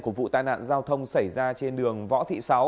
của vụ tai nạn giao thông xảy ra trên đường võ thị sáu